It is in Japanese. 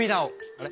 あれ？